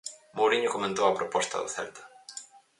Mouriño comentou a proposta do Celta.